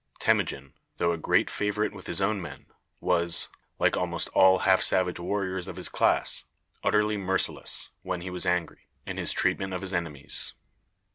Temujin, though a great favorite with his own men, was, like almost all half savage warriors of his class, utterly merciless, when he was angry, in his treatment of his enemies.